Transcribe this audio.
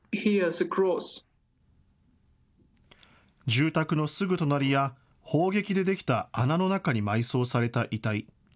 住宅のすぐ隣や、砲撃で出来た穴の中に埋葬された遺体。